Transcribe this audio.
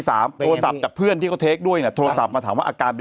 โทรศัพท์จากเพื่อนที่เขาเทคด้วยเนี่ยโทรศัพท์มาถามว่าอาการเป็น